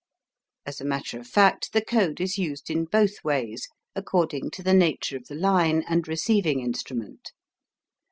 As a matter of fact, the code is used in both ways, according to the nature of the line and receiving instrument.